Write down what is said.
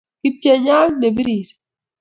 Kipchenyak ne birir